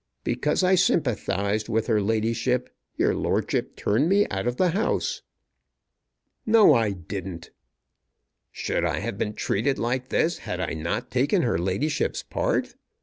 Because I sympathized with her ladyship your lordship turned me out of the house." "No; I didn't." "Should I have been treated like this had I not taken her ladyship's part?